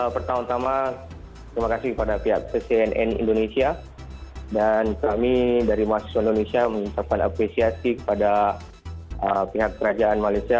pertama tama terima kasih kepada pihak ccnn indonesia dan kami dari mahasiswa indonesia mengucapkan apresiasi kepada pihak kerajaan malaysia